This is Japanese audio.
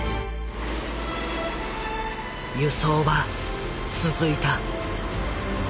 輸送は続いた。